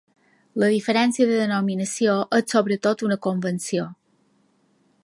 La diferència de denominació és sobretot una convenció.